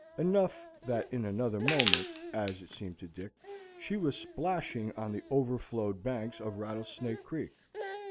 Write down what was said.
Enough that in another moment, as it seemed to Dick, she was splashing on the overflowed banks of Rattlesnake Creek.